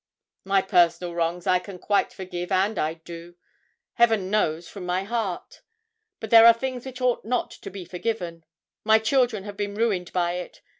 '"My personal wrongs I can quite forgive, and I do, Heaven knows, from my heart; but there are things which ought not to be forgiven. My children have been ruined by it.